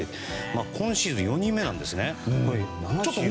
今シーズン、４人目なんですね。